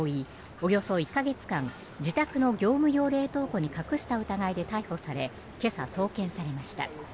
およそ１か月間自宅の業務用冷凍庫に隠した疑いで逮捕され今朝、送検されました。